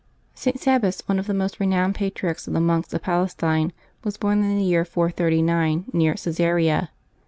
@T. Sabas, one of the most renowned patriarchs of the monks of Palestine, was born in the year 439, near Caesarea.